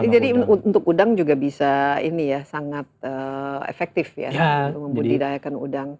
jadi untuk udang juga bisa ini ya sangat efektif ya untuk membudidayakan udang